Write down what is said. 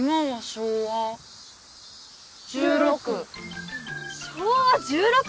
昭和１６年？